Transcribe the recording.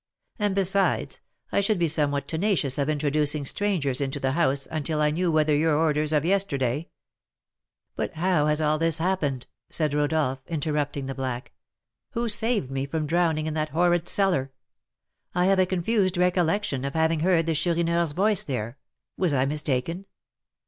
And, besides, I should be somewhat tenacious of introducing strangers into the house until I knew whether your orders of yesterday " "But how has all this happened?" said Rodolph, interrupting the black. "Who saved me from drowning in that horrid cellar? I have a confused recollection of having heard the Chourineur's voice there; was I mistaken?"